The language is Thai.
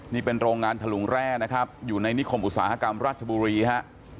นี่เป็นโรงงานทะลุงแร่นะครับอยู่ในนิคมอุตสาหกรรมราชบุรีฮะ